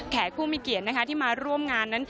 ผู้มีเกียรติที่มาร่วมงานนั้น